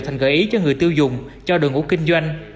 thành gợi ý cho người tiêu dùng cho đội ngũ kinh doanh